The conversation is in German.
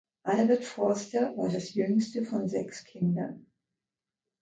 Albert Forster war das jüngste von sechs Kindern.